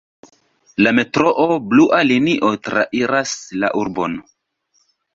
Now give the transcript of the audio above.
La metroo "Blua Linio" trairas la urbon.